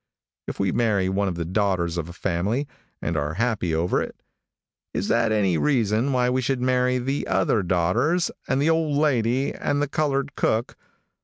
If we marry one of the daughters of a family, and are happy over it, is that any reason why we should marry the other daughters and the old lady and the colored cook?